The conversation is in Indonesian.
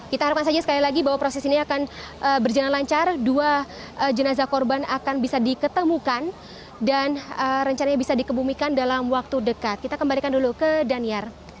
kita harapkan saja sekali lagi bahwa proses ini akan berjalan lancar dua jenazah korban akan bisa diketemukan dan rencananya bisa dikebumikan dalam waktu dekat kita kembalikan dulu ke daniar